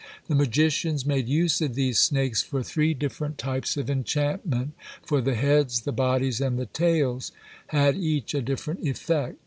The magicians made use of these snakes for three different types of enchantment, for the heads, the bodies, and the tails, had each a different effect.